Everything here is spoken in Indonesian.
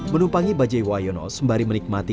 menumpangi bajai wayono sembari menikmati